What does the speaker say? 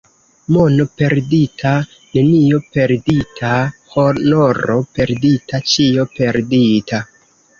Mono perdita, nenio perdita; honoro perdita, ĉio perdita.